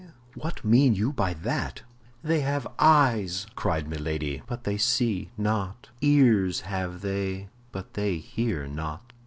what mean you by that?" "They have eyes," cried Milady, "but they see not; ears have they, but they hear not."